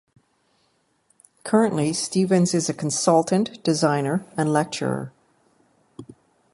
Currently, Stevens is a consultant, designer, and lecturer.